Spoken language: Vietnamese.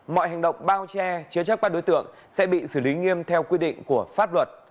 mọi hành động bao che chứa chắc qua đối tượng sẽ bị xử lý nghiêm theo quy định của pháp luật